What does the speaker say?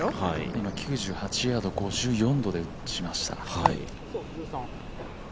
今９８ヤードを５４度で打ちました。